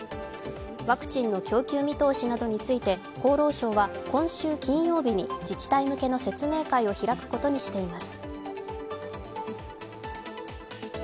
ワクチンの供給見通しなどについて厚労省は、今週金曜日に自治体向けの説明会を開くことにしています。